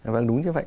vâng đúng như vậy